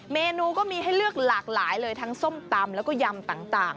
เมนูก็มีให้เลือกหลากหลายเลยทั้งส้มตำแล้วก็ยำต่าง